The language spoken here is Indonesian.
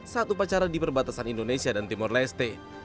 saat upacara di perbatasan indonesia dan timur leste